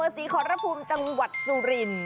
ศรีขอรภูมิจังหวัดสุริน